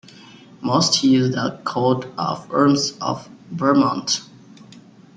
Most use the coat of arms of Vermont.